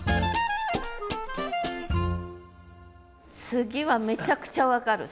次はめちゃくちゃ分かる。